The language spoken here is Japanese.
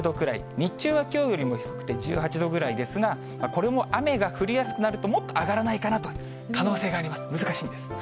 日中はきょうよりも低くて１８度ぐらいですが、これも雨が降りやすくなると、もっと上がらないかなと、可能性があります、難しいんです。